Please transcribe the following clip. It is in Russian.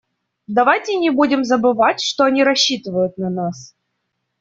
Давайте не будем забывать, что они рассчитывают на нас.